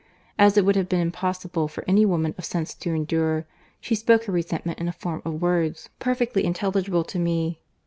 as it would have been impossible for any woman of sense to endure, she spoke her resentment in a form of words perfectly intelligible to me.